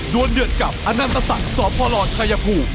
โดนเนื้อดกลับอนันตสัตว์สพชัยภู